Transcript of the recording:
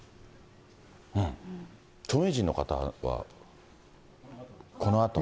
著名人の方はこのあと？